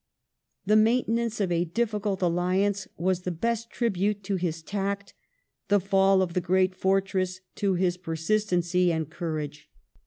The maintenance of a difficult alliance was the best tribute to his tact, the fall of the great foi tress to his persistency and courage.